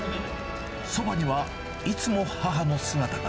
そばにはいつも母の姿が。